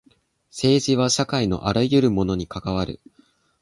政治は社会のあらゆるものに関わる。